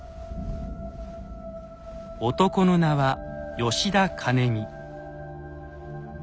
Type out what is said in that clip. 男の名は吉田兼見。